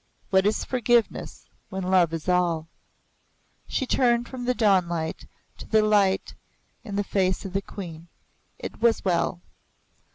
What is forgiveness when love is all? She turned from the dawn light to the light in the face of the Queen. It was well.